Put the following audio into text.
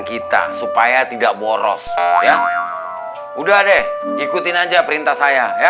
kita supaya tidak boros ya udah deh ikutin aja perintah saya ya